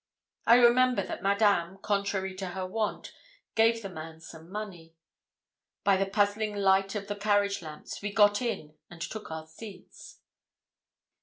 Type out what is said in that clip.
I remember that Madame, contrary to her wont, gave the man some money. By the puzzling light of the carriage lamps we got in and took our seats.